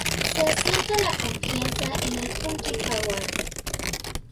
Se asienta la confianza en el "Punky Power!